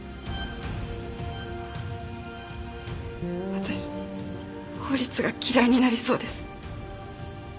私法律が嫌いになりそうです。